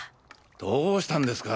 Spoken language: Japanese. どうしたんですか？